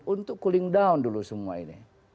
untuk cooling down dulu semua ini